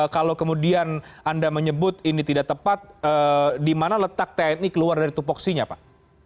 kalau kemudian anda menyebut ini tidak tepat di mana letak tni keluar dari tupoksinya pak